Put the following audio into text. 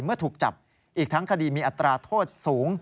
เมื่อถูกจับอีกทั้งคดีมีอัตราโทษสูง